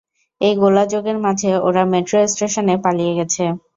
এই গোলযোগের মাঝে ওরা মেট্রো স্টেশনে পালিয়ে গেছে।